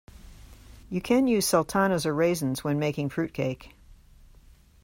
You can use sultanas or raisins when making fruitcake